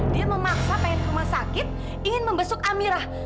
dia memaksa pengen ke rumah sakit ingin membesuk amirah